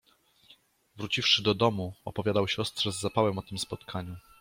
Wróciwszy do domu, opowiadał siostrze z zapałem o tym spotkaniu.